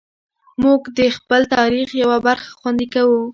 موږ د خپل تاریخ یوه برخه خوندي کوو.